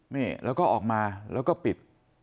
นี่แล้วก็ออกมาแล้วก็ปิด